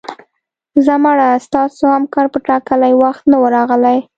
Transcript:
ځه مړه ستاسو همکار په ټاکلي وخت نه و راغلی